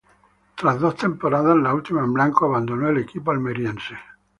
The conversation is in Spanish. Tras dos temporadas, la última en blanco, abandonó el equipo almeriense.